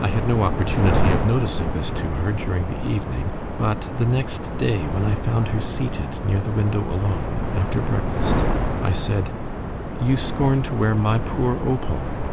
I had no opportunity of noticing this to her during the evening; but the next day, when I found her seated near the window alone, after breakfast, I said, "You scorn to wear my poor opal.